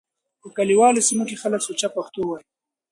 په کليوالو سيمو کې خلک سوچه پښتو وايي.